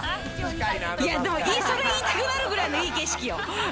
それ言いたくなるくらいのいい景色よ。